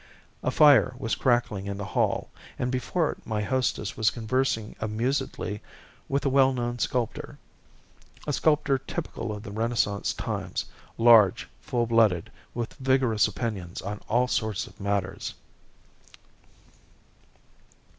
A fire was crackling in the hall, and before it my hostess was conversing amusedly with a well known sculptor a sculptor typical of these renaissance times, large, full blooded, with vigorous opinions on all sorts of matters.